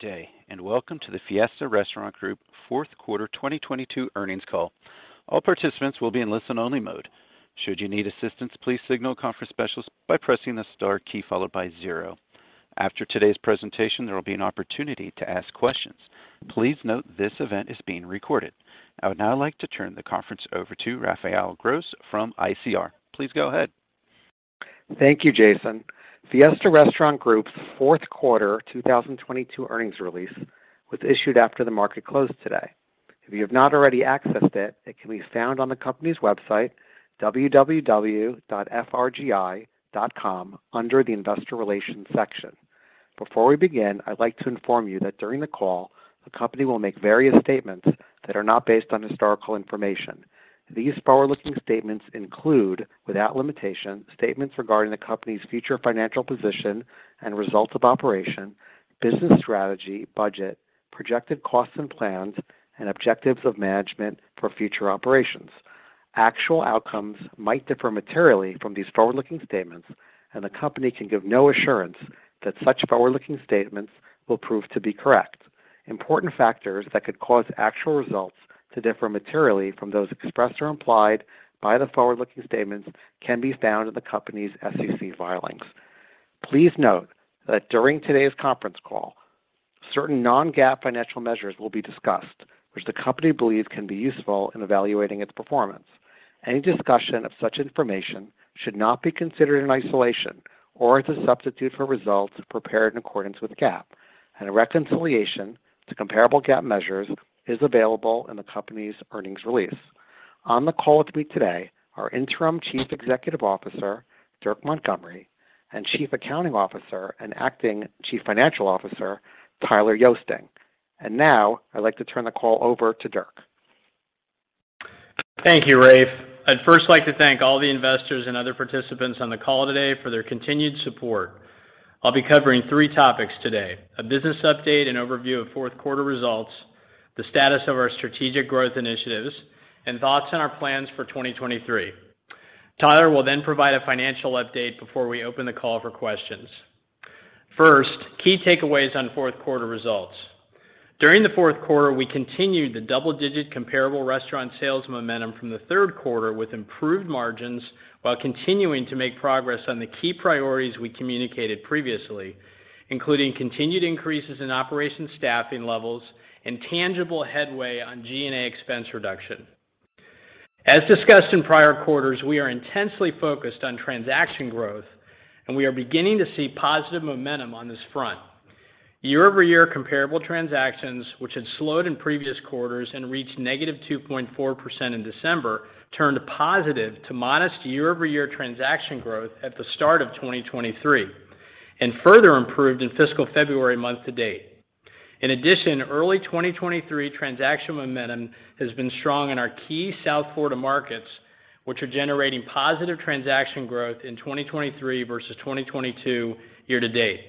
Good day, and welcome to the Fiesta Restaurant Group fourth quarter 2022 earnings call. All participants will be in listen-only mode. Should you need assistance, please signal a conference specialist by pressing the star key followed by zero. After today's presentation, there will be an opportunity to ask questions. Please note this event is being recorded. I would now like to turn the conference over to Raphael Gross from ICR. Please go ahead. Thank you, Jason. Fiesta Restaurant Group's fourth quarter 2022 earnings release was issued after the market closed today. If you have not already accessed it can be found on the company's website, www.frgi.com, under the Investor Relations section. Before we begin, I'd like to inform you that during the call, the company will make various statements that are not based on historical information. These forward-looking statements include, without limitation, statements regarding the company's future financial position and results of operation, business strategy, budget, projected costs and plans, and objectives of management for future operations. Actual outcomes might differ materially from these forward-looking statements, and the company can give no assurance that such forward-looking statements will prove to be correct. Important factors that could cause actual results to differ materially from those expressed or implied by the forward-looking statements can be found in the company's SEC filings. Please note that during today's conference call, certain non-GAAP financial measures will be discussed, which the company believes can be useful in evaluating its performance. Any discussion of such information should not be considered in isolation or as a substitute for results prepared in accordance with GAAP, and a reconciliation to comparable GAAP measures is available in the company's earnings release. On the call with me today are Interim Chief Executive Officer, Dirk Montgomery, and Chief Accounting Officer and Acting Chief Financial Officer, Tyler Yoesting. Now I'd like to turn the call over to Dirk. Thank you, Raph. I'd first like to thank all the investors and other participants on the call today for their continued support. I'll be covering three topics today: a business update and overview of fourth quarter results, the status of our strategic growth initiatives, and thoughts on our plans for 2023. Tyler will then provide a financial update before we open the call for questions. First, key takeaways on fourth quarter results. During the fourth quarter, we continued the double-digit comparable restaurant sales momentum from the third quarter with improved margins while continuing to make progress on the key priorities we communicated previously, including continued increases in operation staffing levels and tangible headway on G&A expense reduction. As discussed in prior quarters, we are intensely focused on transaction growth, and we are beginning to see positive momentum on this front. Year-over-year comparable transactions, which had slowed in previous quarters and reached -2.4% in December, turned positive to modest year-over-year transaction growth at the start of 2023 and further improved in fiscal February month-to-date. Early 2023 transaction momentum has been strong in our key South Florida markets, which are generating positive transaction growth in 2023 versus 2022 year-to-date.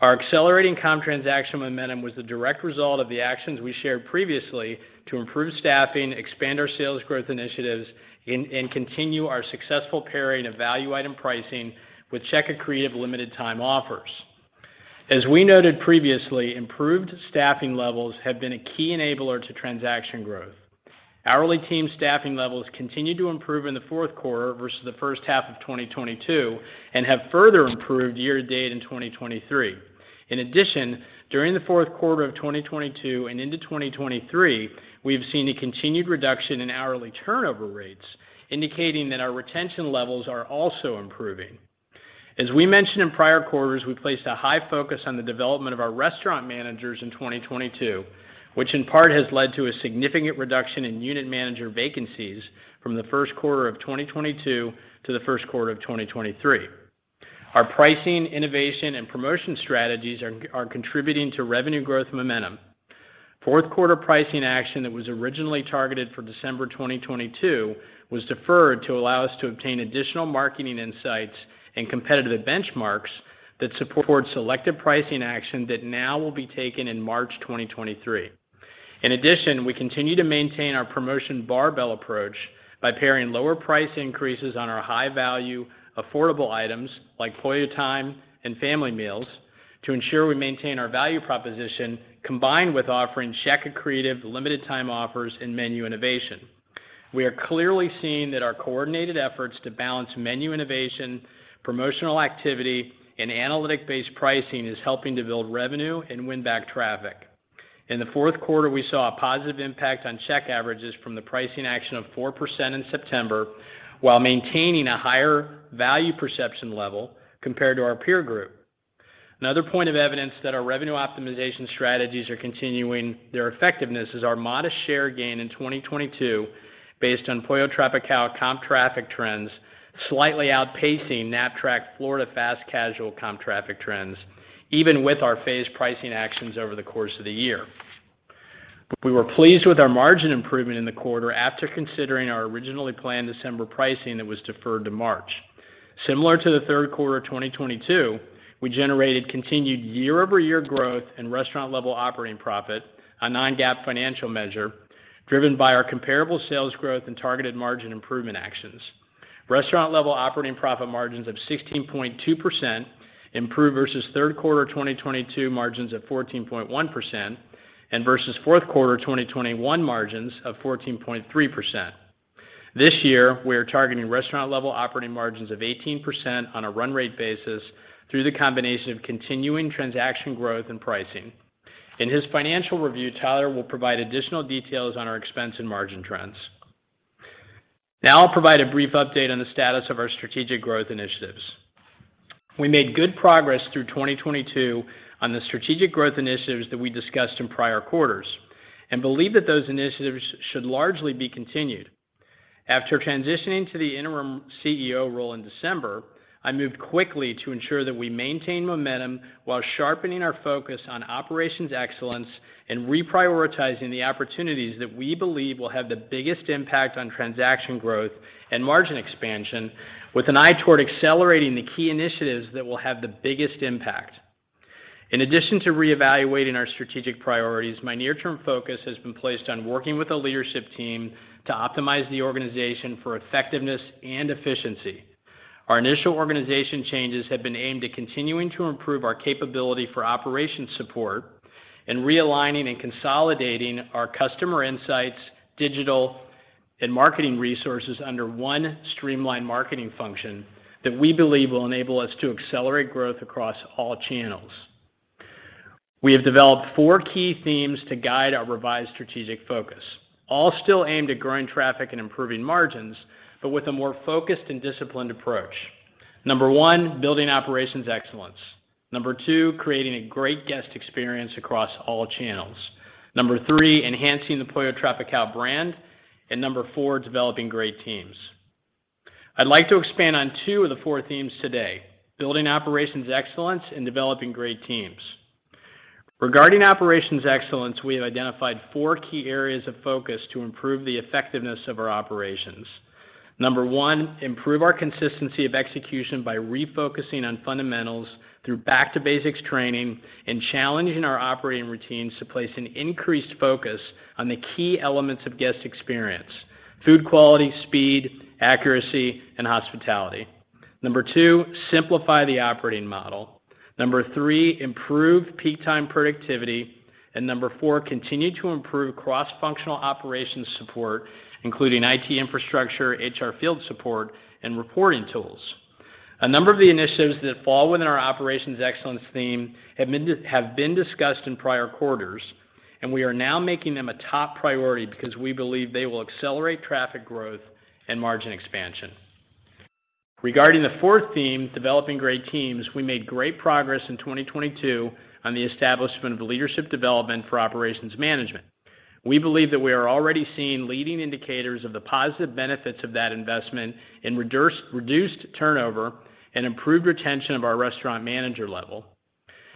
Our accelerating comp transaction momentum was the direct result of the actions we shared previously to improve staffing, expand our sales growth initiatives, and continue our successful pairing of value item pricing with check-accretive limited time offers. As we noted previously, improved staffing levels have been a key enabler to transaction growth. Hourly team staffing levels continued to improve in the fourth quarter versus the first half of 2022 and have further improved year to date in 2023. In addition, during the fourth quarter of 2022 and into 2023, we have seen a continued reduction in hourly turnover rates, indicating that our retention levels are also improving. As we mentioned in prior quarters, we placed a high focus on the development of our restaurant managers in 2022, which in part has led to a significant reduction in unit manager vacancies from the first quarter of 2022 to the first quarter of 2023. Our pricing, innovation, and promotion strategies are contributing to revenue growth momentum. Fourth quarter pricing action that was originally targeted for December 2022 was deferred to allow us to obtain additional marketing insights and competitive benchmarks that support selected pricing action that now will be taken in March 2023. In addition, we continue to maintain our promotion barbell approach by pairing lower price increases on our high-value affordable items like Pollo Time and family meals to ensure we maintain our value proposition combined with offering check-accretive limited time offers and menu innovation. We are clearly seeing that our coordinated efforts to balance menu innovation, promotional activity, and analytic-based pricing is helping to build revenue and win back traffic. In the fourth quarter, we saw a positive impact on check averages from the pricing action of 4% in September while maintaining a higher value perception level compared to our peer group. Another point of evidence that our revenue optimization strategies are continuing their effectiveness is our modest share gain in 2022 based on Pollo Tropical comp traffic trends slightly outpacing Knapp-Track Florida fast casual comp traffic trends, even with our phased pricing actions over the course of the year. We were pleased with our margin improvement in the quarter after considering our originally planned December pricing that was deferred to March. Similar to the third quarter of 2022, we generated continued year-over-year growth in Restaurant-level Operating Profit, a non-GAAP financial measure, driven by our comparable sales growth and targeted margin improvement actions. Restaurant-level Operating Profit margins of 16.2% improved versus third quarter 2022 margins of 14.1% and versus fourth quarter 2021 margins of 14.3%. This year, we are targeting Restaurant-level Operating Margins of 18% on a run rate basis through the combination of continuing transaction growth and pricing. In his financial review, Tyler will provide additional details on our expense and margin trends. I'll provide a brief update on the status of our strategic growth initiatives. We made good progress through 2022 on the strategic growth initiatives that we discussed in prior quarters and believe that those initiatives should largely be continued. After transitioning to the Interim CEO role in December, I moved quickly to ensure that we maintain momentum while sharpening our focus on operations excellence and reprioritizing the opportunities that we believe will have the biggest impact on transaction growth and margin expansion with an eye toward accelerating the key initiatives that will have the biggest impact. In addition to reevaluating our strategic priorities, my near-term focus has been placed on working with the leadership team to optimize the organization for effectiveness and efficiency. Our initial organization changes have been aimed at continuing to improve our capability for operation support and realigning and consolidating our customer insights, digital and marketing resources under one streamlined marketing function that we believe will enable us to accelerate growth across all channels. We have developed four key themes to guide our revised strategic focus, all still aimed at growing traffic and improving margins, but with a more focused and disciplined approach. Number one, building operations excellence. Number two, creating a great guest experience across all channels. Number three, enhancing the Pollo Tropical brand. Number four, developing great teams. I'd like to expand on two of the four themes today: building operations excellence and developing great teams. Regarding operations excellence, we have identified four key areas of focus to improve the effectiveness of our operations. Number one, improve our consistency of execution by refocusing on fundamentals through back to basics training and challenging our operating routines to place an increased focus on the key elements of guest experience: food quality, speed, accuracy and hospitality. Number two, simplify the operating model. Number three, improve peak time productivity. Number four, continue to improve cross-functional operations support, including IT infrastructure, HR field support and reporting tools. A number of the initiatives that fall within our operations excellence theme have been discussed in prior quarters, and we are now making them a top priority because we believe they will accelerate traffic growth and margin expansion. Regarding the fourth theme, developing great teams, we made great progress in 2022 on the establishment of leadership development for operations management. We believe that we are already seeing leading indicators of the positive benefits of that investment in reduced turnover and improved retention of our restaurant manager level.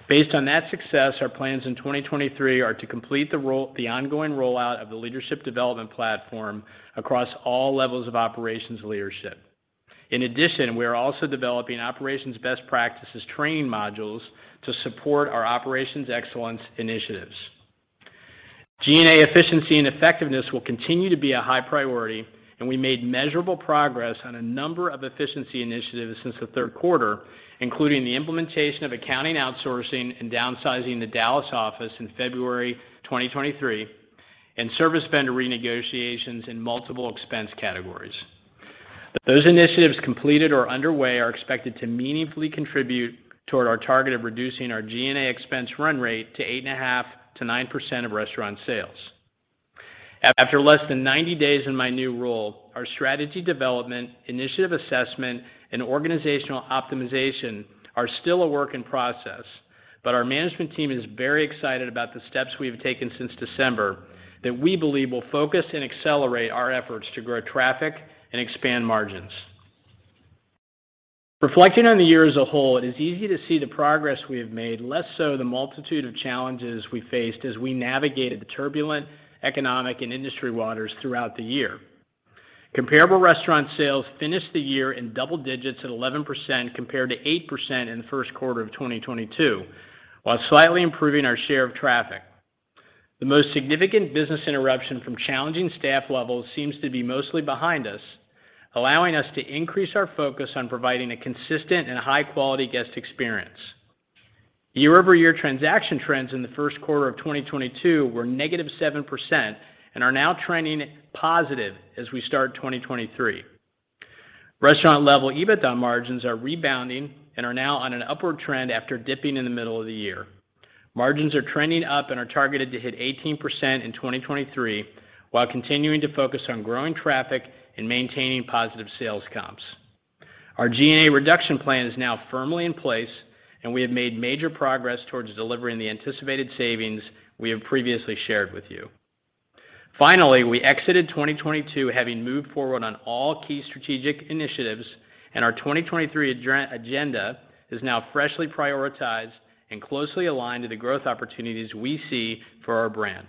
Based on that success, our plans in 2023 are to complete the ongoing rollout of the leadership development platform across all levels of operations leadership. We are also developing operations best practices training modules to support our operations excellence initiatives. G&A efficiency and effectiveness will continue to be a high priority, and we made measurable progress on a number of efficiency initiatives since the third quarter, including the implementation of accounting outsourcing and downsizing the Dallas office in February 2023, and service vendor renegotiations in multiple expense categories. Those initiatives completed or underway are expected to meaningfully contribute toward our target of reducing our G&A expense run rate to 8.5%-9% of restaurant sales. After less than 90 days in my new role, our strategy development, initiative assessment and organizational optimization are still a work in process. Our management team is very excited about the steps we have taken since December that we believe will focus and accelerate our efforts to grow traffic and expand margins. Reflecting on the year as a whole, it is easy to see the progress we have made, less so the multitude of challenges we faced as we navigated the turbulent economic and industry waters throughout the year. Comparable restaurant sales finished the year in double-digits at 11%, compared to 8% in the first quarter of 2022, while slightly improving our share of traffic. The most significant business interruption from challenging staff levels seems to be mostly behind us, allowing us to increase our focus on providing a consistent and high quality guest experience. Year-over-year transaction trends in the first quarter of 2022 were -7% and are now trending positive as we start 2023. Restaurant-level EBITDA margins are rebounding and are now on an upward trend after dipping in the middle of the year. Margins are trending up and are targeted to hit 18% in 2023 while continuing to focus on growing traffic and maintaining positive sales comps. Our G&A reduction plan is now firmly in place, and we have made major progress towards delivering the anticipated savings we have previously shared with you. Finally, we exited 2022 having moved forward on all key strategic initiatives, and our 2023 agenda is now freshly prioritized and closely aligned to the growth opportunities we see for our brand.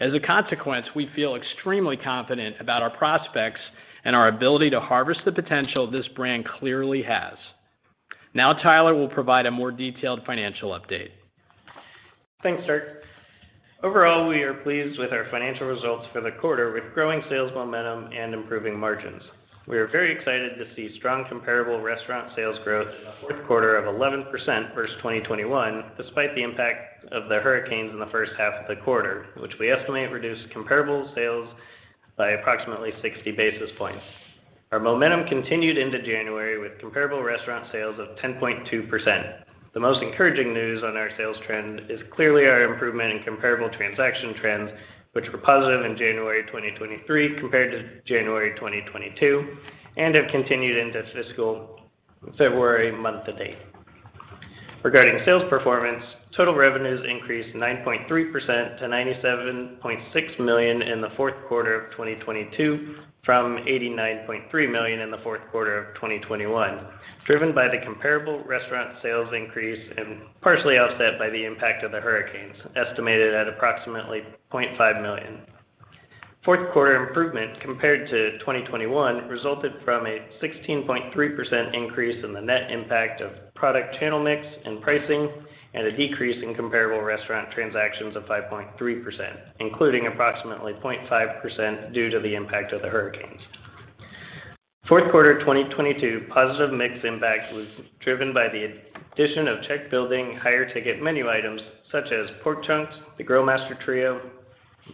As a consequence, we feel extremely confident about our prospects and our ability to harvest the potential this brand clearly has. Now Tyler will provide a more detailed financial update. Thanks, Dirk. Overall, we are pleased with our financial results for the quarter with growing sales momentum and improving margins. We are very excited to see strong comparable restaurant sales growth in the fourth quarter of 11% versus 2021 despite the impact of the hurricanes in the first half of the quarter, which we estimate reduced comparable sales by approximately 60 basis points. Our momentum continued into January with comparable restaurant sales of 10.2%. The most encouraging news on our sales trend is clearly our improvement in comparable transaction trends, which were positive in January 2023 compared to January 2022, and have continued into fiscal February month to date. Regarding sales performance, total revenues increased 9.3% to $97.6 million in the fourth quarter of 2022, from $89.3 million in the fourth quarter of 2021, driven by the comparable restaurant sales increase and partially offset by the impact of the hurricanes, estimated at approximately $0.5 million. Fourth quarter improvement compared to 2021 resulted from a 16.3% increase in the net impact of product channel mix and pricing, and a decrease in comparable restaurant transactions of 5.3%, including approximately 0.5% due to the impact of the hurricanes. Fourth quarter 2022 positive mix impact was driven by the addition of Check building higher ticket menu items such as pork chunks, the GrillMaster Trio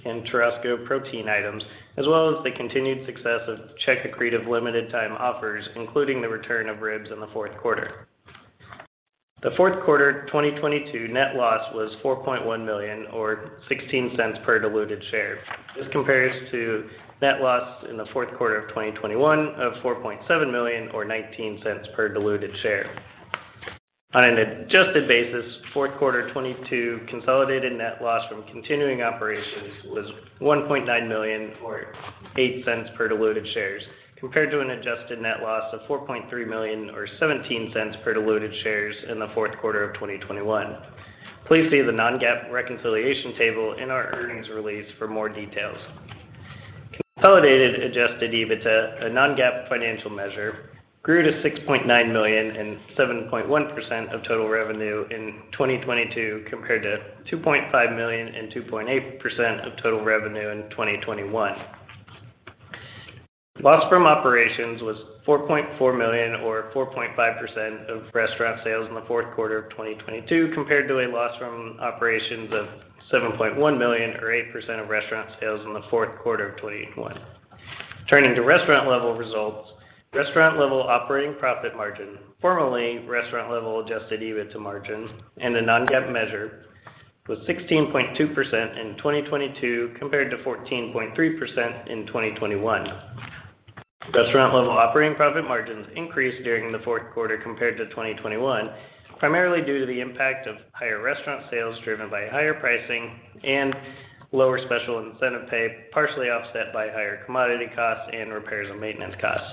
and Churrasco protein items, as well as the continued success of check-accretive limited time offers, including the return of ribs in the fourth quarter. The fourth quarter 2022 net loss was $4.1 million, or $0.16 per diluted share. This compares to net loss in the fourth quarter of 2021 of $4.7 million, or $0.19 per diluted share. On an adjusted basis, fourth quarter 2022 consolidated net loss from continuing operations was $1.9 million, or $0.08 per diluted shares, compared to an adjusted net loss of $4.3 million, or $0.17 per diluted shares in the fourth quarter of 2021. Please see the non-GAAP reconciliation table in our earnings release for more details. Consolidated adjusted EBITDA, a non-GAAP financial measure, grew to $6.9 million and 7.1% of total revenue in 2022, compared to $2.5 million and 2.8% of total revenue in 2021. Loss from operations was $4.4 million or 4.5% of restaurant sales in the fourth quarter of 2022 compared to a loss from operations of $7.1 million or 8% of restaurant sales in the fourth quarter of 2021. Turning to Restaurant-level results, Restaurant-level Operating Profit margin, formerly Restaurant-level Adjusted EBITDA margin and a non-GAAP measure, was 16.2% in 2022 compared to 14.3% in 2021. Restaurant-level Operating Profit margins increased during the fourth quarter compared to 2021, primarily due to the impact of higher restaurant sales driven by higher pricing and lower special incentive pay, partially offset by higher commodity costs and repairs and maintenance costs.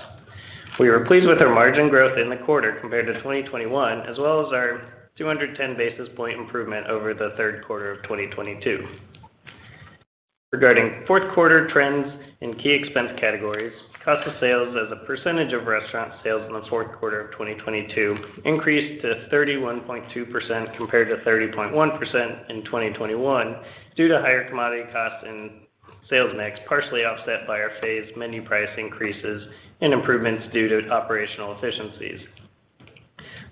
We were pleased with our margin growth in the quarter compared to 2021, as well as our 210 basis point improvement over the third quarter of 2022. Regarding fourth quarter trends in key expense categories, cost of sales as a percentage of restaurant sales in the fourth quarter of 2022 increased to 31.2% compared to 30.1% in 2021 due to higher commodity costs and sales mix, partially offset by our phased menu price increases and improvements due to operational efficiencies.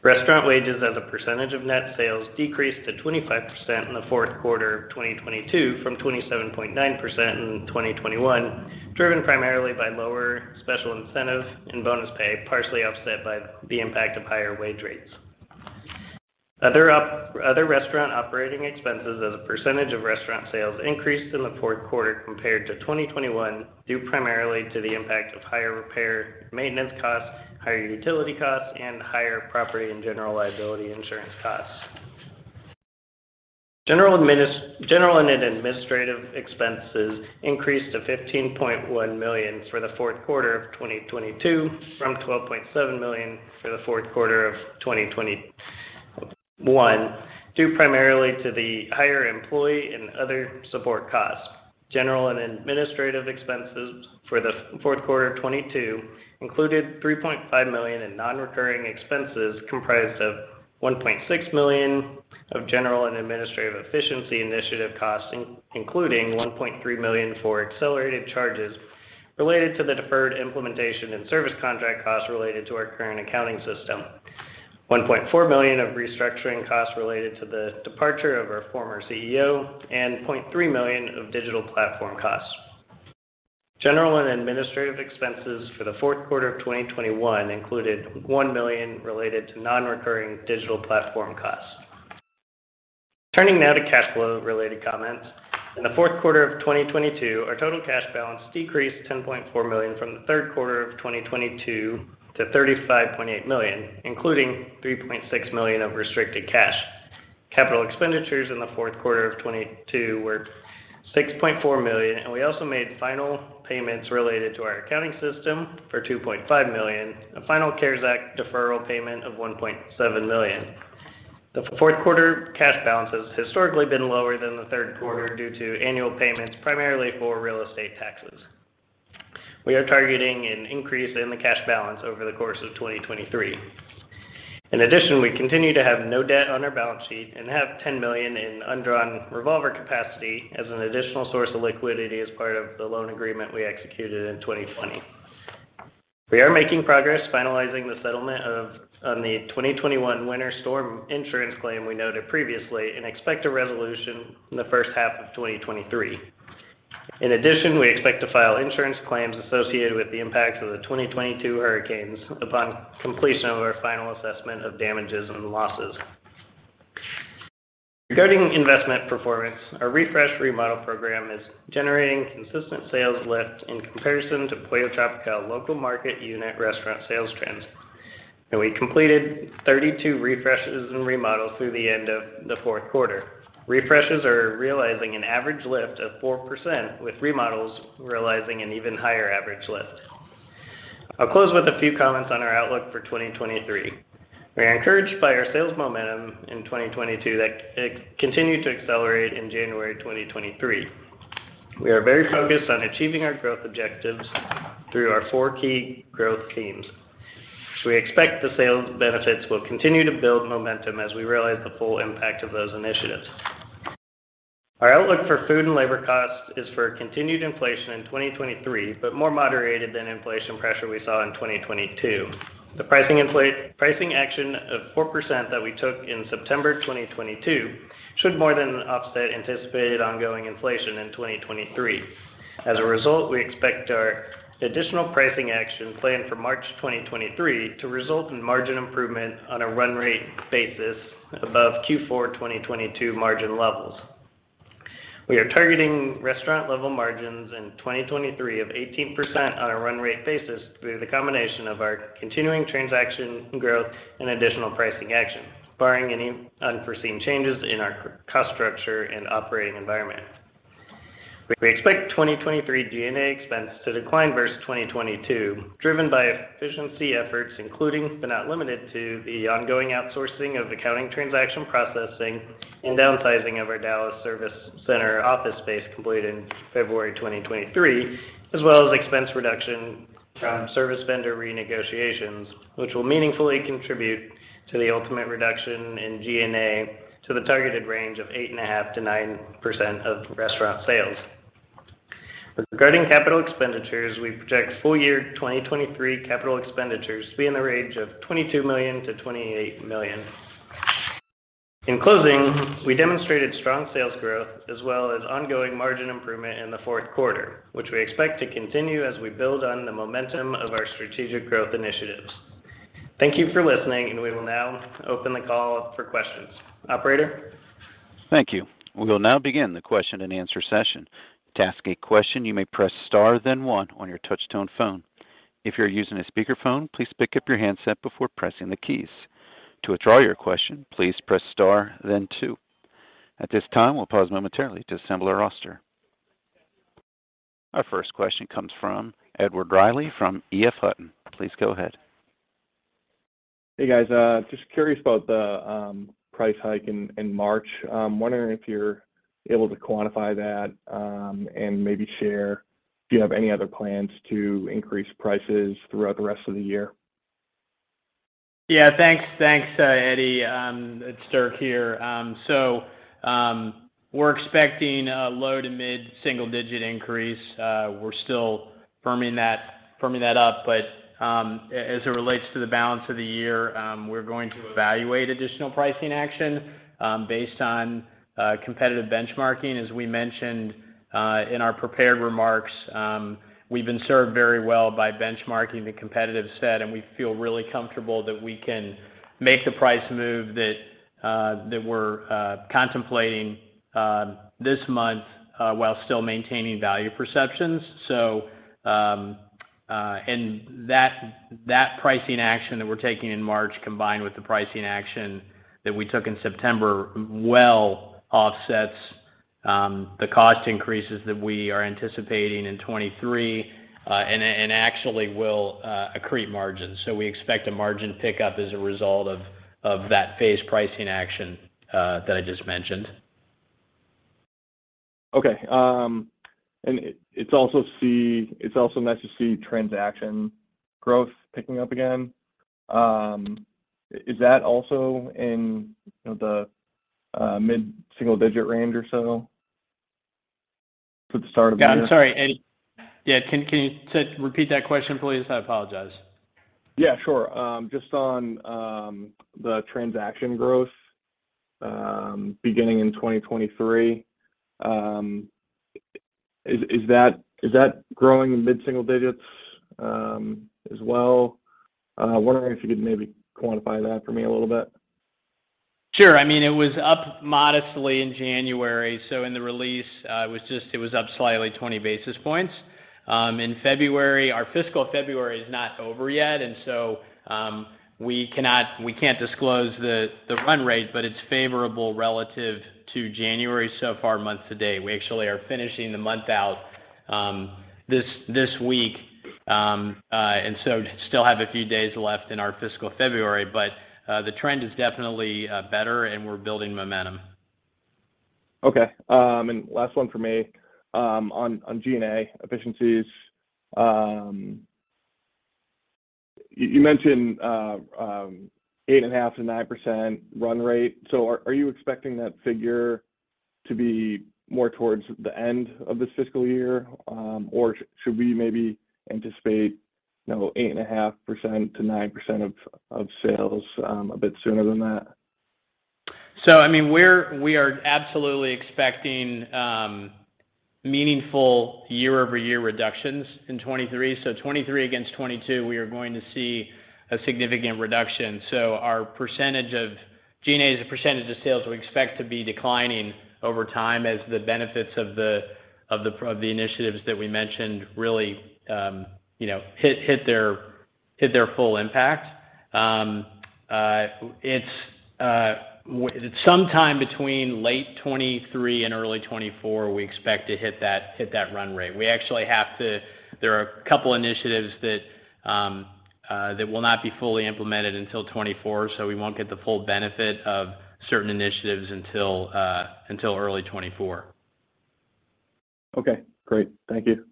Restaurant wages as a percentage of net sales decreased to 25% in the fourth quarter of 2022 from 27.9% in 2021, driven primarily by lower special incentive and bonus pay, partially offset by the impact of higher wage rates. Other restaurant operating expenses as a percentage of restaurant sales increased in the fourth quarter compared to 2021, due primarily to the impact of higher repair and maintenance costs, higher utility costs, and higher property and general liability insurance costs. General and administrative expenses increased to $15.1 million for the fourth quarter of 2022 from $12.7 million for the fourth quarter of 2021, due primarily to the higher employee and other support costs. General and administrative expenses for the fourth quarter of 2022 included $3.5 million in non-recurring expenses, comprised of $1.6 million of general and administrative efficiency initiative costs, including $1.3 million for accelerated charges related to the deferred implementation and service contract costs related to our current accounting system. $1.4 million of restructuring costs related to the departure of our former CEO and $0.3 million of digital platform costs. General and administrative expenses for the fourth quarter of 2021 included $1 million related to non-recurring digital platform costs. Turning now to cash flow related comments. In the fourth quarter of 2022, our total cash balance decreased $10.4 million from the third quarter of 2022 to $35.8 million, including $3.6 million of restricted cash. Capital expenditures in the fourth quarter of 2022 were $6.4 million. We also made final payments related to our accounting system for $2.5 million, a final CARES Act deferral payment of $1.7 million. The fourth quarter cash balance has historically been lower than the third quarter due to annual payments, primarily for real estate taxes. We are targeting an increase in the cash balance over the course of 2023. In addition, we continue to have no debt on our balance sheet and have $10 million in undrawn revolver capacity as an additional source of liquidity as part of the loan agreement we executed in 2020. We are making progress finalizing the settlement of, on the 2021 winter storm insurance claim we noted previously, and expect a resolution in the first half of 2023. In addition, we expect to file insurance claims associated with the impact of the 2022 hurricanes upon completion of our final assessment of damages and losses. Regarding investment performance, our refresh remodel program is generating consistent sales lift in comparison to Pollo Tropical local market unit restaurant sales trends. We completed 32 refreshes and remodels through the end of the fourth quarter. Refreshes are realizing an average lift of 4%, with remodels realizing an even higher average lift. I'll close with a few comments on our outlook for 2023. We are encouraged by our sales momentum in 2022 that continued to accelerate in January 2023. We are very focused on achieving our growth objectives through our four key growth teams. We expect the sales benefits will continue to build momentum as we realize the full impact of those initiatives. Our outlook for food and labor costs is for continued inflation in 2023, but more moderated than inflation pressure we saw in 2022. The pricing action of 4% that we took in September 2022 should more than offset anticipated ongoing inflation in 2023. As a result, we expect our additional pricing action planned for March 2023 to result in margin improvement on a run rate basis above Q4 2022 margin levels. We are targeting restaurant level margins in 2023 of 18% on a run rate basis through the combination of our continuing transaction growth and additional pricing action, barring any unforeseen changes in our cost structure and operating environment. We expect 2023 G&A expense to decline versus 2022, driven by efficiency efforts, including but not limited to the ongoing outsourcing of accounting transaction processing and downsizing of our Dallas service center office space completed in February 2023, as well as expense reduction from service vendor renegotiations, which will meaningfully contribute to the ultimate reduction in G&A to the targeted range of 8.5%-9% of restaurant sales. Regarding capital expenditures, we project full year 2023 capital expenditures to be in the range of $22 million-$28 million. In closing, we demonstrated strong sales growth as well as ongoing margin improvement in the fourth quarter, which we expect to continue as we build on the momentum of our strategic growth initiatives. Thank you for listening. We will now open the call up for questions. Operator? Thank you. We will now begin the question and answer session. To ask a question, you may press star then one on your touch tone phone. If you're using a speaker phone, please pick up your handset before pressing the keys. To withdraw your question, please press star then two. At this time, we'll pause momentarily to assemble our roster. Our first question comes from Edward Reily from EF Hutton. Please go ahead. Hey, guys. Just curious about the price hike in March. I'm wondering if you're able to quantify that, and maybe share if you have any other plans to increase prices throughout the rest of the year. Yeah, thanks. Thanks, Eddie. It's Dirk here. We're expecting a low to mid-single-digit increase. We're still firming that up. As it relates to the balance of the year, we're going to evaluate additional pricing action based on competitive benchmarking. As we mentioned in our prepared remarks, we've been served very well by benchmarking the competitive set, and we feel really comfortable that we can make the price move that we're contemplating this month while still maintaining value perceptions. That pricing action that we're taking in March, combined with the pricing action that we took in September, well offsets the cost increases that we are anticipating in 2023 and actually will accrete margins. We expect a margin pickup as a result of that phased pricing action that I just mentioned. Okay. It's also nice to see transaction growth picking up again. Is that also in, you know, the mid single digit range or so for the start of the year? I'm sorry, Eddie. Yeah, can you repeat that question, please? I apologize. Yeah, sure. Just on the transaction growth beginning in 2023, is that growing in mid-single-digits as well? Wondering if you could maybe quantify that for me a little bit. Sure. I mean, it was up modestly in January. In the release, it was up slightly 20 basis points. In February, our fiscal February is not over yet. We can't disclose the run rate, but it's favorable relative to January so far, month to date. We actually are finishing the month out this week. Still have a few days left in our fiscal February. The trend is definitely better, and we're building momentum. Okay. Last one from me. On G&A efficiencies, you mentioned 8.5%-9% run rate. Are you expecting that figure to be more towards the end of this fiscal year? Or should we maybe anticipate, you know, 8.5%-9% of sales, a bit sooner than that? I mean, we are absolutely expecting meaningful year-over-year reductions in 2023. 2023 against 2022, we are going to see a significant reduction. Our percentage of G&A as a percentage of sales, we expect to be declining over time as the benefits of the initiatives that we mentioned really, you know, hit their full impact. It's sometime between late 2023 and early 2024, we expect to hit that run rate. There are a couple initiatives that will not be fully implemented until 2024, so we won't get the full benefit of certain initiatives until early 2024. Okay, great. Thank you.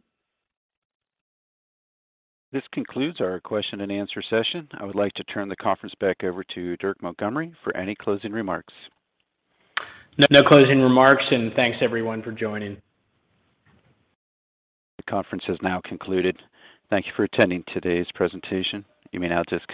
This concludes our question and answer session. I would like to turn the conference back over to Dirk Montgomery for any closing remarks. No closing remarks, and thanks everyone for joining. The conference has now concluded. Thank Thank you for attending today's presentation. You may now disconnect.